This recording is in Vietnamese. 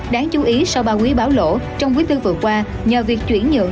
đáng chú ý sau ba quý báo lỗ trong quý bốn vừa qua nhờ việc chuyển nhượng